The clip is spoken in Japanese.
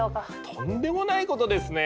とんでもないことですね。